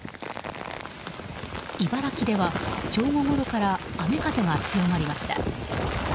茨城では正午ごろから雨風が強まりました。